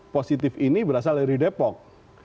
positif ini berasal dari depok